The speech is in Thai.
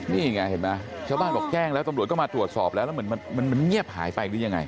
นี่ไงเห็นไหมชาวบ้านบอกแจ้งแล้วตำรวจก็มาตรวจสอบแล้วแล้วเหมือนมันเงียบหายไปหรือยังไง